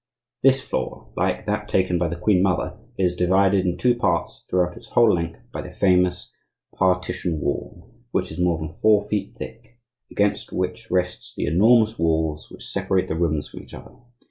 This floor, like that taken by the queen mother, is divided in two parts throughout its whole length by the famous partition wall, which is more than four feet thick, against which rests the enormous walls which separate the rooms from each other.